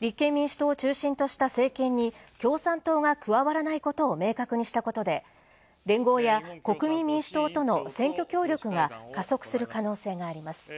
立憲民主党を中心とした政権に共産党が加わらないことを明確にしたことで連合や国民民主党との選挙協力が加速する可能性があります。